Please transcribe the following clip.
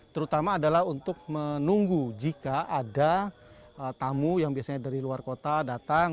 terutama adalah untuk menunggu jika ada tamu yang biasanya dari luar kota datang